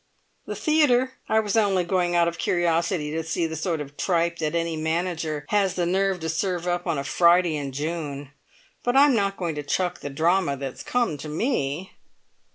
"The theatre! I was only going out of curiosity to see the sort of tripe that any manager has the nerve to serve up on a Friday in June; but I'm not going to chuck the drama that's come to me!"